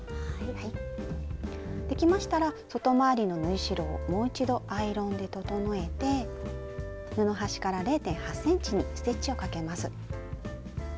できましたら外回りの縫い代をもう一度アイロンで整えて布端から０．８ｃｍにステッチをかけます。